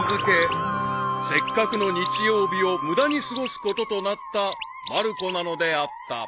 せっかくの日曜日を無駄に過ごすこととなったまる子なのであった］